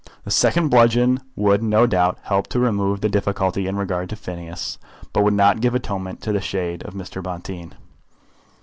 This second bludgeon would no doubt help to remove the difficulty in regard to Phineas, but would not give atonement to the shade of Mr. Bonteen.